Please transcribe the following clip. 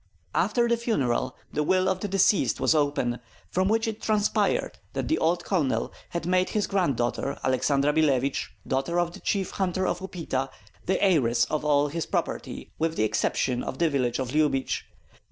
After the funeral the will of the deceased was opened, from which it transpired that the old colonel had made his granddaughter, Aleksandra Billevich, daughter of the chief hunter of Upita, the heiress of all his property with the exception of the village of Lyubich.